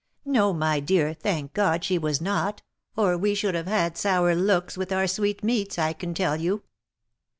" No, my dear, thank God she was not, or we should have had sour looks with our sweetmeats, I can tell you."